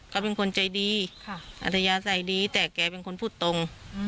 เขาเป็นคนใจดีอัธยาศัยดีแต่แกเป็นคนพูดตรง